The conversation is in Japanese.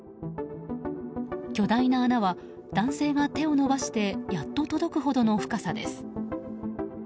巨大な穴は男性が手を伸ばしてやっと届くほどの深さです。